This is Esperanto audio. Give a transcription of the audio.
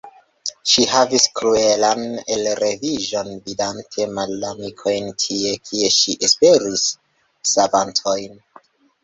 Ŝi havis kruelan elreviĝon vidante malamikojn, tie, kie ŝi esperis savantojn.